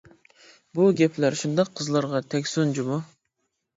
بۇ گەپلەر شۇنداق قىزلارغا تەگسۇن جۇمۇ.